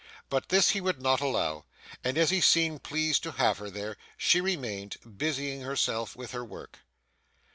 But this he would not allow, and as he seemed pleased to have her there, she remained, busying herself with her work.